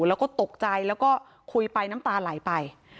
แล้วก็ตกใจแล้วก็คุยไปน้ำตาไหลไป